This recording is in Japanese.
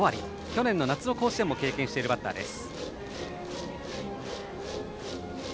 去年の夏の甲子園も経験しているバッターです。